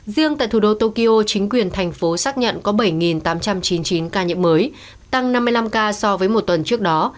riêng tại thủ đô tokyo chính quyền thành phố xác nhận có bảy tám trăm chín mươi chín ca nhiễm mới tăng năm mươi năm ca so với một tuần trước đó